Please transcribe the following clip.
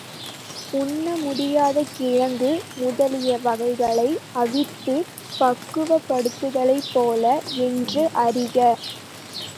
உண்ண முடியாத கிழங்கு முதலியவைகளை அவித்துப் பக்குவப்படுத்துதலைப்போல என்று அறிக.